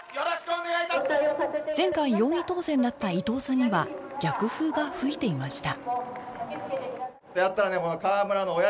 前回４位当選だった伊藤さんには逆風が吹いていました